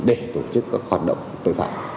để tổ chức các hoạt động tội phạm